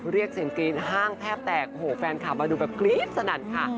เรียกเสียงกรี๊ดห้างแทบแตกโอ้โหแฟนคลับมาดูแบบกรี๊ดสนั่นค่ะ